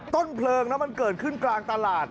ต้นเพลิงมันเกิดขึ้นกลางตลาด